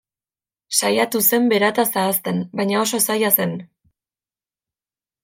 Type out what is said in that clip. Saiatu zen berataz ahazten, baina oso zaila zen.